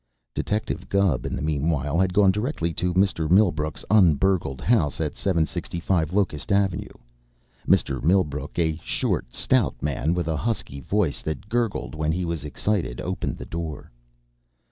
Detective Gubb in the meanwhile had gone directly to Mr. Millbrook's un burgled house at 765 Locust Avenue. Mr. Millbrook, a short, stout man with a husky voice that gurgled when he was excited, opened the door.